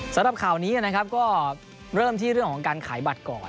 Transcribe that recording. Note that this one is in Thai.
สำหรับข่าวนี้นะครับก็เริ่มที่เรื่องของการขายบัตรก่อน